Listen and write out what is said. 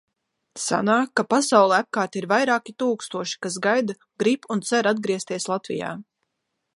Sanāk, ka pasaulē apkārt ir vairāki tūkstoši, kas gaida, grib un cer atgriezties Latvijā.